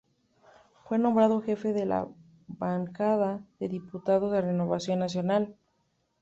Fue nombrado Jefe de la Bancada de Diputados de Renovación Nacional.